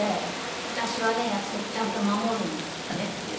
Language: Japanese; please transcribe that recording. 「私はね約束ちゃんと守るんだからね」って言って。